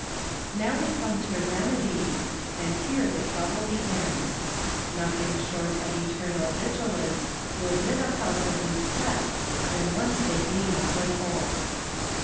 Now we come to "remedies," and here the trouble begins. Nothing short of eternal vigilance will rid a house of these pests when once they gain a foothold.